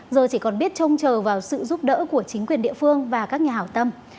giờ chỉ còn biết trông chờ vào sự giúp đỡ của chính quyền địa phương và các nhà hảo tâm